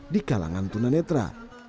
di kalangan tunanetra